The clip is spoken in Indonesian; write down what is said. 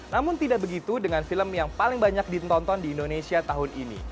namun tidak begitu dengan film yang paling banyak ditonton di indonesia tahun ini